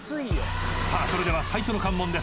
［それでは最初の関門です］